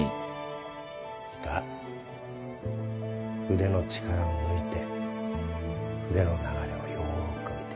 いいか腕の力を抜いて筆の流れをよーく見て。